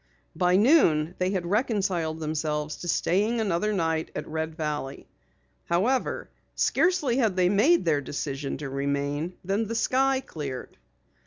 By noon they had reconciled themselves to staying another night at Red Valley. However, scarcely had they made their decision to remain, than the sky cleared.